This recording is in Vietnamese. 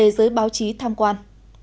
cho báo chí tham quan